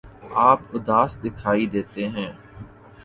آپ اداس دکھائی دیتے ہیں